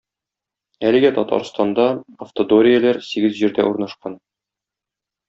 Әлегә Татарстанда "Автодорияләр" сигез җирдә урнашкан.